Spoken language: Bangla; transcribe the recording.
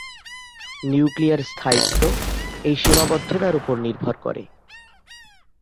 নিউক্লিয়ার স্থায়িত্ব এই সীমাবদ্ধতার উপর নির্ভর করে।